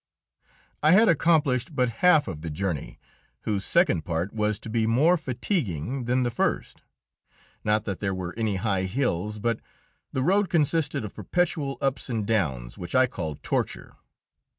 I had accomplished but half of the journey whose second part was to be more fatiguing than the first. Not that there were any high hills, but the road consisted of perpetual ups and downs which I called torture.